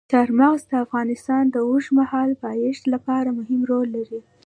چار مغز د افغانستان د اوږدمهاله پایښت لپاره مهم رول لري.